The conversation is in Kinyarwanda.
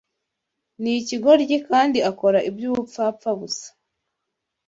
Ni ikigoryi kandi akora iby’ubupfapfa busa